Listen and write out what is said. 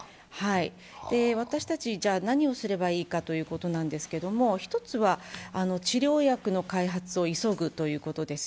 では、私たちは何をすればいいかということですけれども、一つは治療薬の開発を急ぐということです。